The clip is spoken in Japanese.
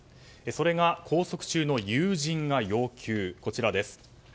それが、拘束中の友人が要求こちらです。